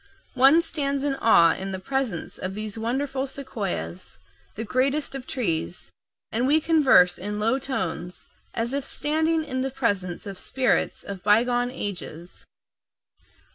One stands in awe in the presence of these wonderful sequoias, the greatest of trees, and we converse in low tones, as if standing in the presence of spirits of bygone ages.